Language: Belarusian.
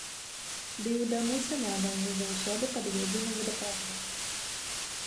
Ды і ў дамы сялянаў не заўсёды падведзены вадаправод.